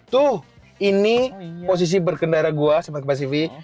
tuh ini posisi berkendara gue sebagai pasifik